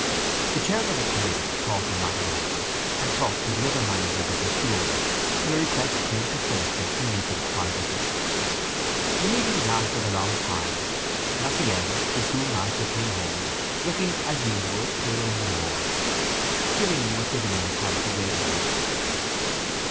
The chairman of committee thought the matter over, and talked to the other managers of the school, till a request came to Phillotson to meet them privately. The meeting lasted a long time, and at the end the school master came home, looking as usual pale and worn. Gillingham was sitting in his house awaiting him.